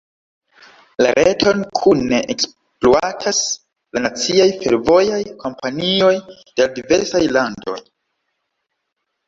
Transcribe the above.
La reton kune ekspluatas la naciaj fervojaj kompanioj de la diversaj landoj.